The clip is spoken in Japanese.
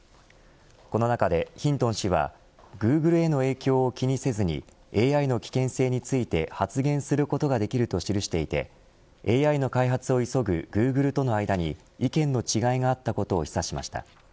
この中でヒントン氏はグーグルへの影響を気にせずにＡＩの危険性について発言することができると記していてＡＩの開発を急ぐグーグルとの間に意見の違いがあったことを示唆しました。